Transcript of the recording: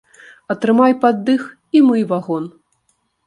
Атрымай пад дых і мый вагон!